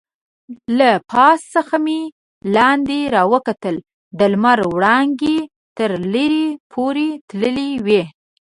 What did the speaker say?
له پاس څخه مې لاندې راوکتل، د لمر وړانګې تر لرې پورې تللې وې.